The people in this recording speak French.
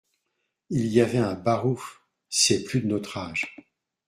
il y avait un barouf, c’est plus de notre âge.